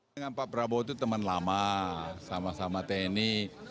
dengan pak prabowo itu teman lama sama sama tni